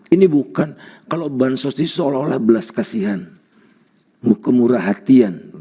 ini bukan kalau bansos ini seolah olah belas kasihan kemurah hatian